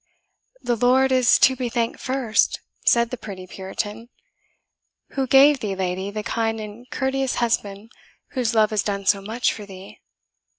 "The Lord is to be thanked first," said the pretty Puritan, "who gave thee, lady, the kind and courteous husband whose love has done so much for thee.